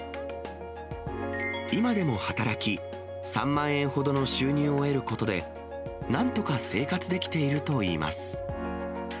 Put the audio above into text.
今でも働き、３万円ほどの収入を得ることで、なんとか生活できているといいます。